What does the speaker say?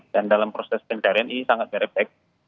dan dalam proses pencarian ini sangat ber efek